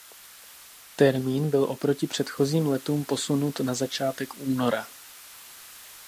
Termín byl oproti předchozím letům posunut na začátek února.